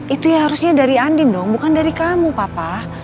itu ya harusnya dari andin dong bukan dari kamu papa